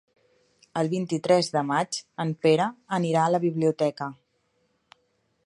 El vint-i-tres de maig en Pere anirà a la biblioteca.